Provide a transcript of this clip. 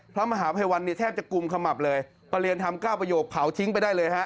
พระมหาภัยวันเนี่ยแทบจะกุมขมับเลยประเรียนทำ๙ประโยคเผาทิ้งไปได้เลยฮะ